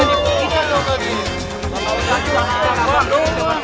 maksudnya udah amat si markum